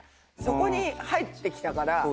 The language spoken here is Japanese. そこに入ってきたから。